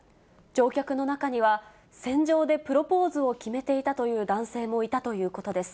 乗客の中には、船上でプロポーズを決めていたという男性もいたということです。